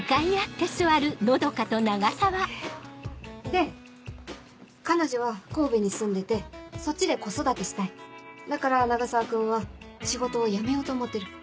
で彼女は神戸に住んでてそっちで子育てしたいだから永沢君は仕事を辞めようと思ってる。